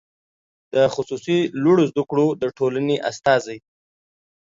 د خصوصي لوړو زده کړو د ټولنې استازی